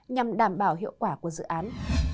nhằm đảm bảo hiệu quả của dự án